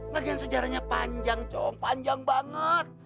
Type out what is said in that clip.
lagian sejarahnya panjang com panjang banget